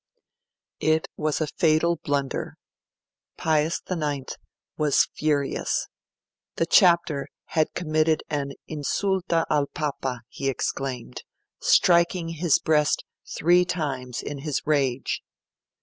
It was a fatal blunder. Pius IX was furious; the Chapter had committed an 'insulta al Papa', he exclaimed, striking his breast three times in his rage.